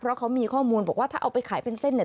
เพราะเขามีข้อมูลบอกว่าถ้าเอาไปขายเป็นเส้นเนี่ย